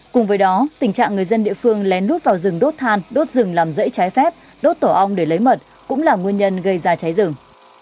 cùng với đó tình trạng người dân địa phương lén lút vào rừng đốt than đốt rừng làm rẫy trái phép đốt tổ ong để lấy mật cũng là nguyên nhân gây ra cháy rừng